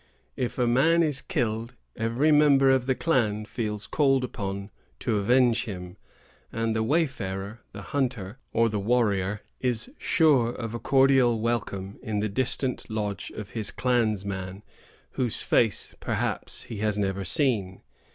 If a man is killed, every member of the clan feels called upon to avenge him; and the wayfarer, the hunter, or the warrior is sure of a cordial welcome in the distant lodge of the clansman whose face perhaps he has never seen.